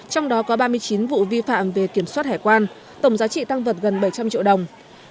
trong đó có ba mươi chín vụ vi phạm về kiểm soát hải quan tổng giá trị tăng vật gần bảy trăm linh triệu đồng